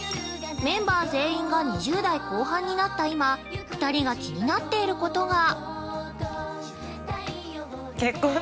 メンバー全員が２０代後半になった今２人が気になっていることが◆